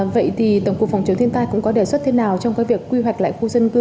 vậy thì tổng cục phòng chống thiên tai cũng có đề xuất thế nào trong cái việc quy hoạch lại khu dân cư